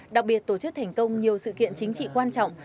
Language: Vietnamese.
đặc biệt tổ chức thành công nhiều sự kiện chính trị quan trọng